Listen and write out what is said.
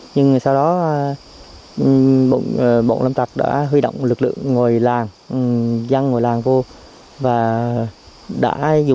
nhưng sau đó bộ lâm tập đã huy động lực lượng ngồi làng dăng ngồi làng vô